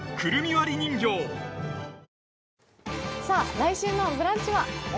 来週の「ブランチ」は？